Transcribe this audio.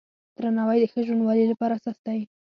درناوی د ژوند ښه والي لپاره اساس دی.